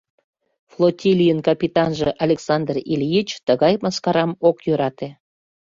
Флотилийын капитанже — Александр Ильич — тыгай мыскарам ок йӧрате.